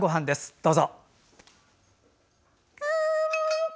どうぞ。